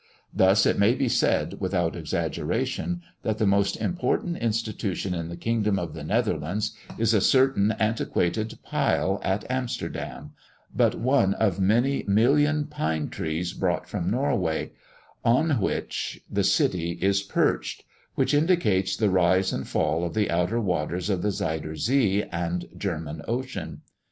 Thus it may be said, without exaggeration, that the most important institution in the kingdom of the Netherlands is a certain antiquated pile at Amsterdam but one of many million pine trees brought from Norway, on which the city is perched, which indicates the rise and fall of the outer waters of the Zuyder Zee and German Ocean.